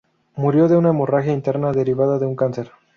Murió de una hemorragia interna derivada de un cáncer.